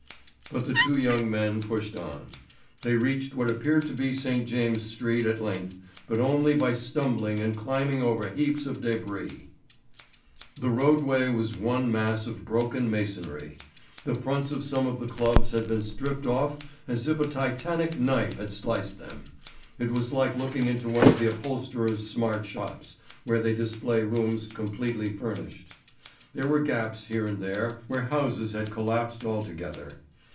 But the two young men pushed on. They reached what appeared to be St. James's Street at length, but only by stumbling and climbing over heaps of débris. The roadway was one mass of broken masonry. The fronts of some of the clubs had been stripped off as if a titanic knife had sliced them. It was like looking into one of the upholsterers' smart shops, where they display rooms completely furnished. There were gaps here and there where houses had collapsed altogether.